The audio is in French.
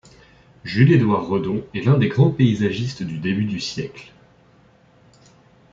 Jules Édouard Redont est l’un des grands paysagistes du début du siècle.